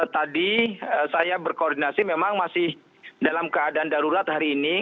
tadi saya berkoordinasi memang masih dalam keadaan darurat hari ini